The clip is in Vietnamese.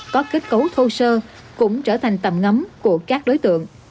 có kết cấu thô sơ cũng trở thành tầm ngắm của các đối tượng